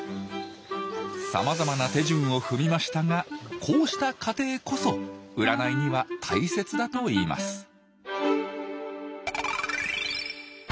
さまざまな手順を踏みましたがこうした過程こそ占いには大切だといいます